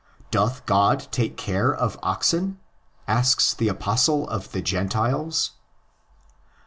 '' Doth God take care for oxen?" asks the Apostle of the Gentiles.